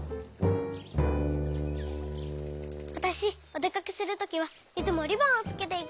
わたしおでかけするときはいつもリボンをつけていくのよ。